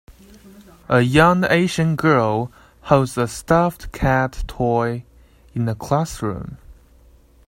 A young Asian girl holds a stuffed cat toy in a classroom.